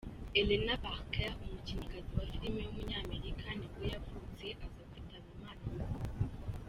Eleanor Parker, umukinnyikazi wa filime w’umunyamerika nibwo yavutse, aza kwitaba Imana mu .